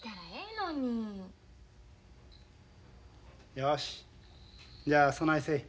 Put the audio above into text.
よしじゃあそないせい。